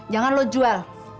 jangan lo jual